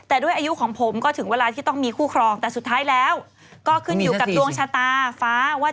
แต่ด้วยอายุของผมก็ถึงเวลาที่ต้องมีคู่ครองแต่สุดท้ายแล้วก็ขึ้นอยู่กับดวงชะตาฟ้าว่า